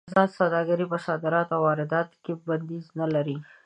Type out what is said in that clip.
ازاده سوداګري په صادراتو او وارداتو کې بندیز نه لري.